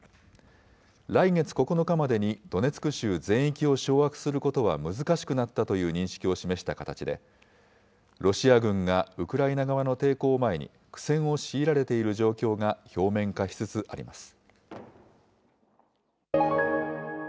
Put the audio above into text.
来月９日までにドネツク州全域を掌握することは難しくなったという認識を示した形で、ロシア軍がウクライナ側の抵抗を前に、苦戦を強いられている状況が表面化しつつあります。